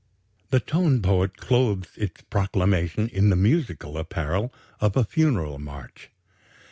The tone poet clothes its proclamation in the musical apparel of a Funeral march.